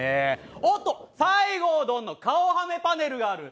おっと、西郷どんの顔はめパネルがある。